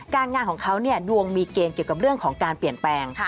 งานของเขาเนี่ยดวงมีเกณฑ์เกี่ยวกับเรื่องของการเปลี่ยนแปลง